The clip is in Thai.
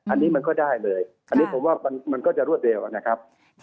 อันนี้มันก็ได้เลยอันนี้ผมว่ามันก็จะรวดเร็วนะครับ